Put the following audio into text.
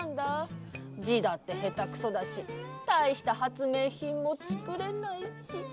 じだってへたくそだしたいしたはつめいひんもつくれないし。